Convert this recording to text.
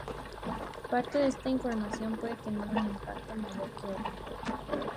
Parte de esta información puede tener un impacto mayor que otra.